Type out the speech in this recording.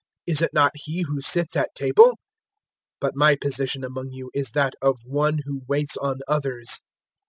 Is it not he who sits at table? But my position among you is that of one who waits on others.